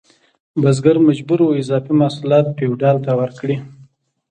بزګر مجبور و اضافي محصولات فیوډال ته ورکړي.